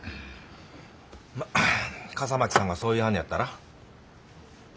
まっ笠巻さんがそう言いはんねやったら。